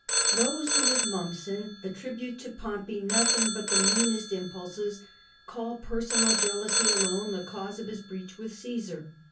Those who, with Mommsen, attribute to Pompey no thing but the meanest impulses, call personal jealousy alone the cause of his breach with Caesar.